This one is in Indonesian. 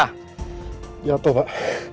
tidak tahu pak